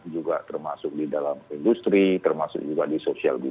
juga termasuk di dalam industri termasuk juga di sosial media